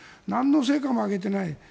なんの成果も挙げてない。